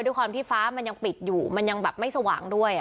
ด้วยความที่ฟ้ามันยังปิดอยู่มันยังแบบไม่สว่างด้วย